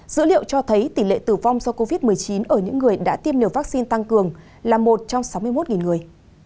dữ liệu cho thấy tỷ lệ tử vong do covid một mươi chín ở những người đã tiêm liều vaccine tăng cường là một trong sáu mươi một người